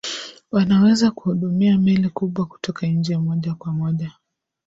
Wanaweza kuhudumia meli kubwa kutoka nje moja kwa moja